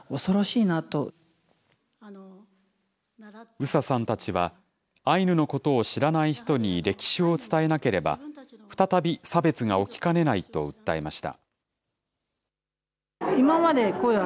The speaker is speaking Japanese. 宇佐さんたちは、アイヌのことを知らない人に歴史を伝えなければ、再び差別が起きかねないと訴えました。